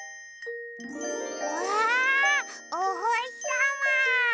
わあおほしさま！